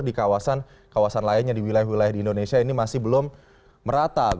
di kawasan kawasan lainnya di wilayah wilayah di indonesia ini masih belum merata